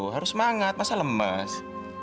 harus semangat masa lemes